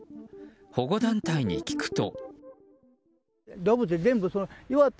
保護団体に聞くと。